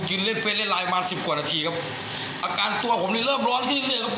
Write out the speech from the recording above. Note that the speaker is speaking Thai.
ยืนเล่นเล่นไลน์ประมาณสิบกว่านาทีครับอาการตัวผมนี่เริ่มร้อนขึ้นเรื่อยเรื่อยครับ